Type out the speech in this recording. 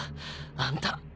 あんた。